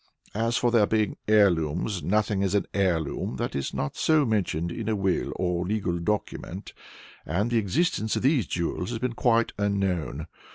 As for their being heirlooms, nothing is an heirloom that is not so mentioned in a will or legal document, and the existence of these jewels has been quite unknown.